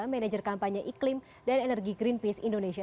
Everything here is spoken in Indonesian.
manager kampanye iklim dan energi greenpeace indonesia